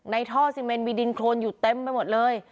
ท่อซีเมนมีดินโครนอยู่เต็มไปหมดเลย